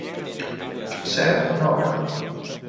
José Nora